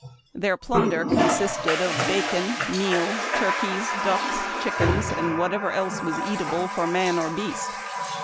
Their plunder consisted of bacon, meal, turkeys, ducks, chickens, and whatever else was eata ble for man or beast.